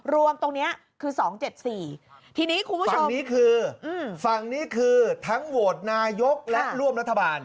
รวมตรงนี้คือ๒๗๔ทีนี้คุณผู้ชมฝั่งนี้คือฝั่งนี้คือทั้งโหวตนายกและร่วมรัฐบาล